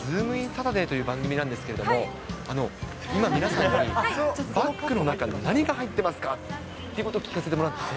サタデーという番組なんですけれども、今、皆さんに、バッグの中に何が入ってますかっていうことを聞かせてもらってて。